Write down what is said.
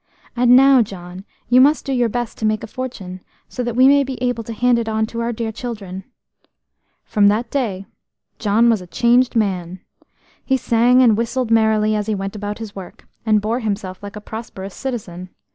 And now, John, you must do your best to make a fortune, so that we may be able to hand it on to our dear children." From that day John was a changed man. He sang and whistled merrily as he went about his work, and bore himself like a prosperous citizen.